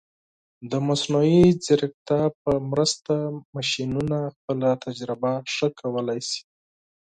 د مصنوعي ځیرکتیا په مرسته، ماشینونه خپله تجربه ښه کولی شي.